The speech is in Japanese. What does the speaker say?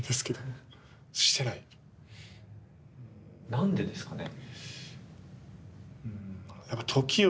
何でですかね？